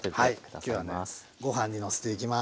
ご飯にのせていきます。